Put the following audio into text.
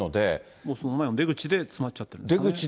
もうその前の出口で詰まっちゃってるんですね。